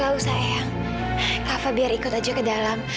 gak usah ayang kava biar ikut aja ke dalam